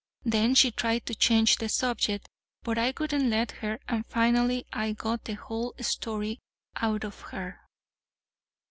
Then she tried to change the subject; but I wouldn't let her, and finally I got the whole story out of her."